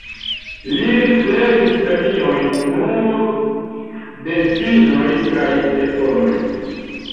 Li ricevis premiojn nur de finnoj kaj estonoj.